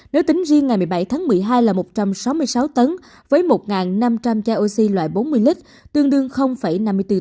nếu tính riêng ngày một mươi bảy tháng một mươi hai là một trăm sáu mươi sáu tấn với một năm trăm linh chai oxy